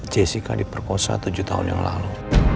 jessica diperkosa tujuh tahun yang lalu